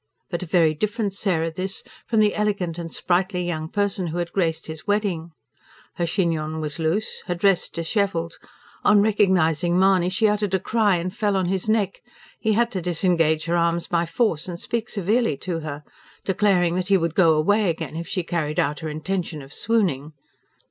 But a very different Sarah this, from the elegant and sprightly young person who had graced his wedding. Her chignon was loose, her dress dishevelled. On recognising Mahony, she uttered a cry and fell on his neck he had to disengage her arms by force and speak severely to her, declaring that he would go away again, if she carried out her intention of swooning.